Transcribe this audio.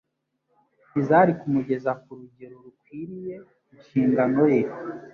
ntizari kumugeza ku rugero rukwiriye inshingano ye